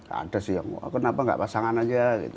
ada sih yang kenapa gak pasangan aja gitu